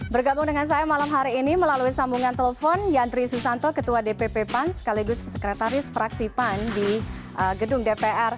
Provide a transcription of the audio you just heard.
bergabung dengan saya malam hari ini melalui sambungan telepon yandri susanto ketua dpp pan sekaligus sekretaris fraksi pan di gedung dpr